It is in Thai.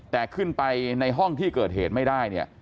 แต่ขึ้นไปในห้องที่เกิดเหตุไม่ได้เนี่ย